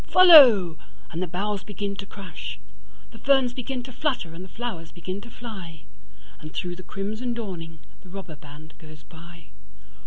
Follow! and the boughs begin to crash; The ferns begin to flutter and the flowers begin to fly; And through the crimson dawning the robber band goes by.